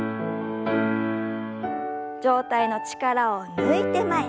上体の力を抜いて前。